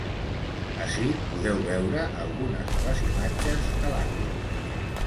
Ací podeu veure algunes de les imatges de l’acte.